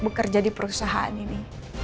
bekerja di perusahaan ini